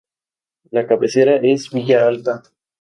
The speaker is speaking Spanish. La cabecera es Villa Alta.